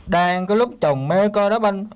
đang có lúc chồng mê coi đá banh